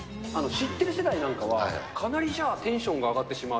知ってる世代なんかは、かなりじゃあテンションが上がってしまう？